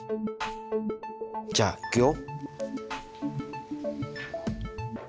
じゃあいくよ。